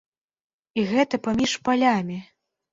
І гэта паміж палямі!